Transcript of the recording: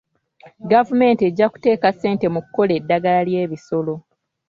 Gavumenti ejja kuteeka ssente mu kukola eddagala ly'ebisolo.